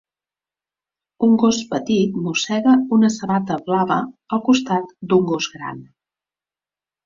Un gos petit mossega una sabata blava al costat d'un gos gran.